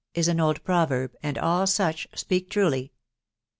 is an old proverb, and all such speak truly.